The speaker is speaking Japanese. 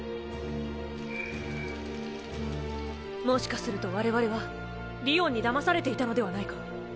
もしかすると我々はりおんに騙されていたのではないか？